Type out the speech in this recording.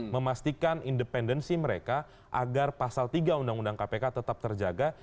memastikan independensi mereka agar pasal tiga undang undang kpk tetap terjaga